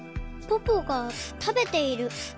ポポがたべている。